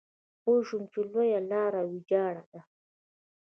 پوه شوم چې لویه لار ويجاړه ده.